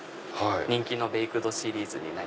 人気のベイクドシリーズ。